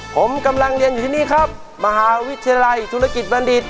ผมกำลังเรียนอยู่ที่นี่ครับมหาวิทยาลัยธุรกิจบัณฑิต